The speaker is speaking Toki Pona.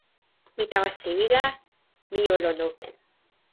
mi tawa sewi la, mi o lon open.